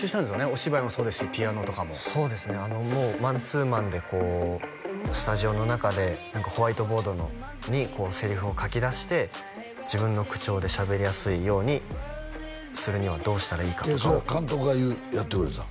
お芝居もそうですしピアノとかもそうですねマンツーマンでこうスタジオの中でホワイトボードにセリフを書き出して自分の口調でしゃべりやすいようにするにはどうしたらいいかとかを監督がやってくれた？